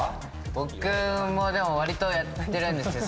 僕もでも割とやってるんですけど。